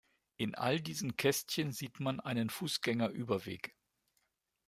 In all diesen Kästchen sieht man einen Fußgängerüberweg.